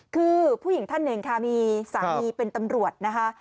คือผู้หญิงท่านหนึ่งค่ะมีสามีเป็นตำรวจนะคะ